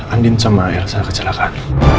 andin sama yang saya kecelakaan